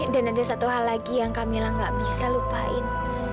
dan ada satu hal lagi yang kak mila gak bisa lupain